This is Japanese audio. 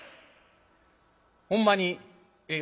ほんまにええ